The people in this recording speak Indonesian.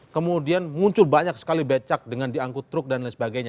kemudian muncul banyak sekali becak dengan diangkut truk dan lain sebagainya